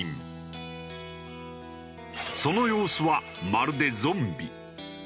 その様子はまるでゾンビ。